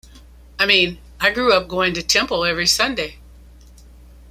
I mean, I grew up going to temple every Sunday.